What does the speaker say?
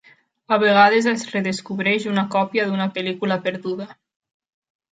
A vegades, es redescobreix una còpia d'una pel·lícula perduda.